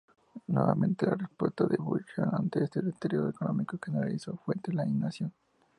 Nuevamente, la respuesta de Buchanan ante este deterioro económico generalizado fue la inacción.